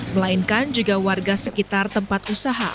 melainkan juga warga sekitar tempat usaha